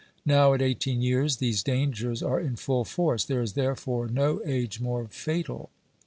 Now at eighteen years these dangers are in full force ; there is therefore no age more fatal.